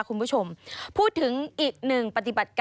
สวัสดีค่ะสวัสดีค่ะ